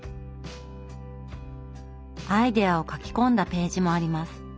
アイデアを書き込んだページもあります。